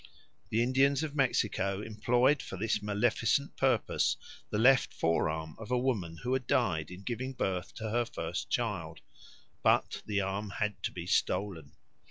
The Indians of Mexico employed for this maleficent purpose the left fore arm of a woman who had died in giving birth to her first child; but the arm had to be stolen.